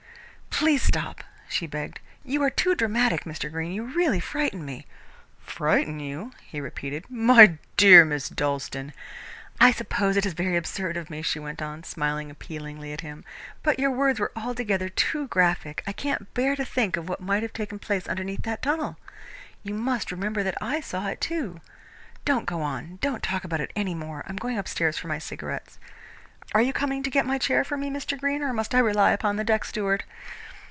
"Please stop," she begged. "You are too dramatic, Mr. Greene. You really frighten me." "Frighten you?" he repeated. "My dear Miss Dalstan!" "I suppose it is very absurd of me," she went on, smiling appealingly at him, "but your words were altogether too graphic. I can't bear to think of what might have taken place underneath that tunnel! You must remember that I saw it, too. Don't go on. Don't talk about it any more. I am going upstairs for my cigarette. Are you coming to get my chair for me, Mr. Greene, or must I rely upon the deck steward?"